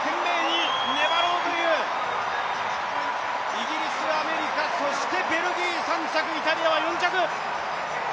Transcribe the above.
イギリス、アメリカ、そしてベルギー３着、イタリアは４着。